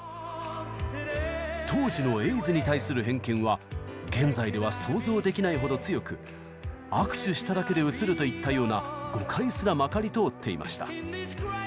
当時のエイズに対する偏見は現在では想像できないほど強く握手しただけでうつるといったような誤解すらまかり通っていました。